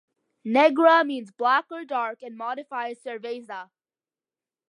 "Negra" means "black" or "dark" and modifies "cerveza.